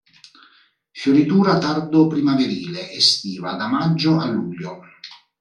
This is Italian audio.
Fioritura tardo primaverile estiva da maggio a luglio.